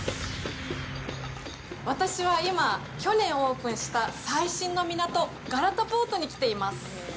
私は今、去年オープンした最新の港、ガラタポートに来ています。